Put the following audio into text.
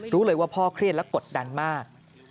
รู้เลยว่าพ่อเครียดและกดดันมาก